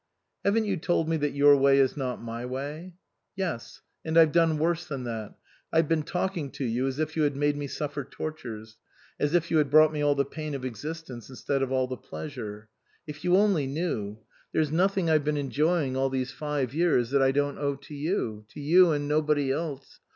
" Haven't you told me that your way is not my way ?"" Yes ; and I've done worse than that. I've been talking to you as if you had made me suffer tortures, as if you had brought me all the pain of existence instead of all the pleasure. If you only knew ! There's nothing I've been enjoying all these five years that I don't owe to you to you and nobody else.